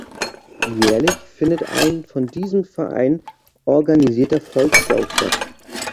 Jährlich findet ein von diesem Verein organisierter Volkslauf statt.